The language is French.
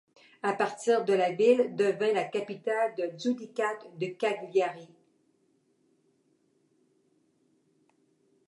À partir du la ville devint la capitale du Judicat de Cagliari.